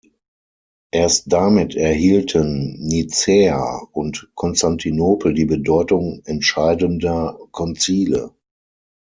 Erst damit erhielten Nicäa und Konstantinopel die Bedeutung entscheidender Konzile.